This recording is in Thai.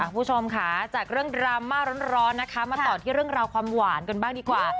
คุณผู้ชมค่ะจากเรื่องดราม่าร้อนนะคะมาต่อที่เรื่องราวความหวานกันบ้างดีกว่า